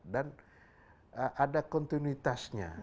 dan ada kontinuitasnya